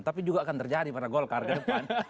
tapi juga akan terjadi pada golkar ke depan